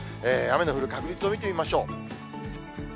雨の降る確率を見てみましょう。